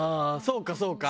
そうかそうか。